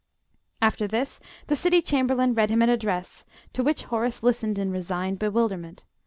After this the City Chamberlain read him an address, to which Horace listened in resigned bewilderment.